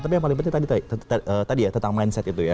tapi yang paling penting tadi ya tentang mindset itu ya